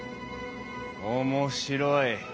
面白い。